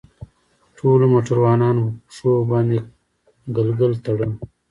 ټولو موټروانانو په پښو باندې ګلګل تړل.